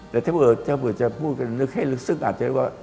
แต่ถ้าเกิดจะพูดไปนึกให้ลึกซึ่งอาจจะรู้ว่า